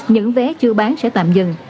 những vé chưa bán sẽ tạm dừng